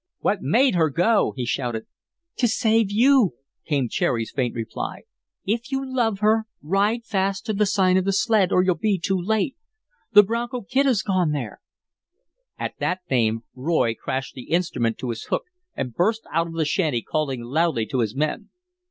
"What made her go?" he shouted. "To save you," came Cherry's faint reply. "If you love her, ride fast to the Sign of the Sled or you'll be too late. The Bronco Kid has gone there " At that name Roy crashed the instrument to its hook and burst out of the shanty, calling loudly to his men.